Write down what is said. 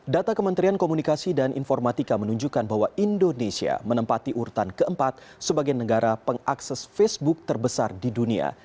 data kementerian komunikasi dan informatika menunjukkan bahwa indonesia menempati urutan keempat sebagai negara pengakses facebook terbesar di dunia